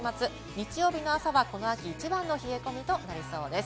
日曜日の朝はこの秋、一番の冷え込みとなりそうです。